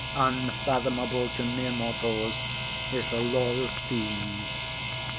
Unfathomable to mere mortals is the lore of fiends.